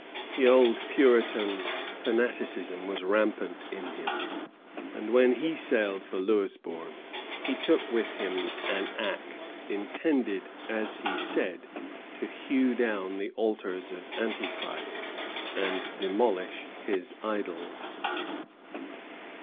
The old Puritan fanaticism was rampant in him; and when he sailed for Louisbourg, he took with him an axe, intended, as he said, to hew down the altars of Antichrist and demolish his idols.